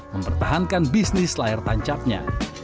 mempertahankan bisnis layar tancapnya